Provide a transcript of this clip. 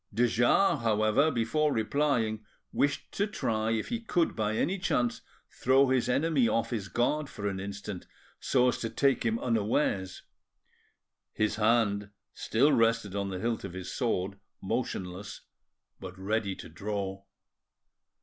De Jars, however, before replying, wished to try if he could by any chance throw his enemy off his guard for an instant, so as to take him unawares. His hand still rested on the hilt of his sword, motionless, but ready to draw.